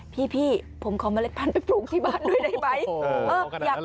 พี่ผมขอเมล็ดพันธุไปปลูกที่บ้านด้วยได้ไหม